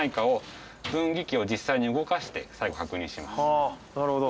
はあなるほど。